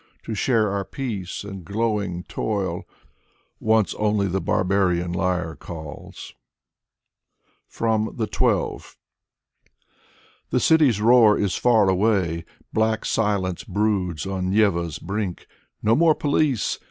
To share our peace and glowing toil Once only the barbarian lyre calls. I r *> Alexander Blok 137 FROM " THE TWELVE " 9 The city's roar is far away, Black silence broods on Neva's brink. No more police